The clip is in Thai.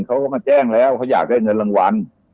เขาก็มาแจ้งแล้วเขาอยากได้เงินรางวัล